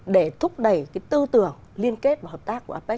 để thúc đẩy cái tư tưởng liên kết và hợp tác của apec